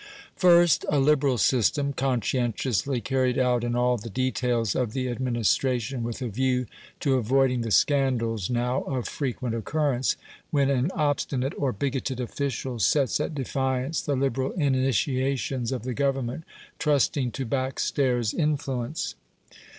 First, "a liberal system, conscientiously carried out in all the details of the administration, with a view to avoiding the scandals now of frequent occurrence, when an obstinate or bigoted official sets at defiance the liberal initiations of the Government, trusting to backstairs influence".